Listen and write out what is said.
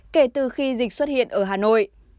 kể từ khi dịch xuất hiện ở hà nội